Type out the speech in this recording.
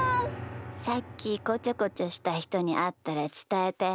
さっきこちょこちょしたひとにあったらつたえて。